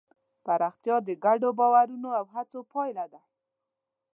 پراختیا د ګډو باورونو او هڅو پایله ده.